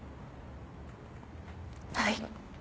はい。